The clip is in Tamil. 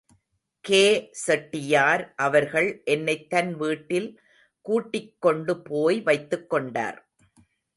கே.செட்டியார் அவர்கள் என்னைத் தன் வீட்டில் கூட்டிக் கொண்டு போய் வைத்துக் கொண்டார்.